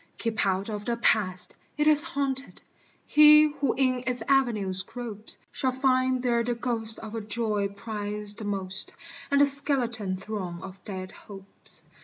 Keep out of the Past. It is haunted: He who in its avenues gropes, Shall find there the ghost of a joy prized the most, And a skeleton throng of dead hopes.